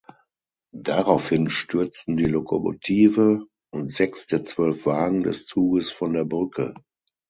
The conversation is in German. Daraufhin stürzten die Lokomotive und sechs der zwölf Wagen des Zuges von der Brücke.